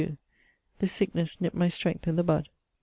This sicknesse nipt my strength in the bud.